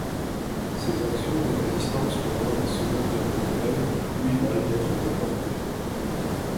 Ses actions de résistance pendant la Seconde Guerre mondiale lui valent d'être déporté.